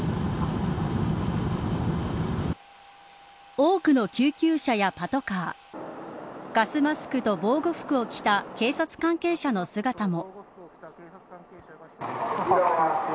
多くの救急車やパトカーガスマスクと防護服を着た警察関係者の姿も。